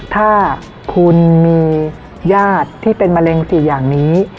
ถ้าคุณมีญาติที่เป็นมะเร็ง๔อย่างนี้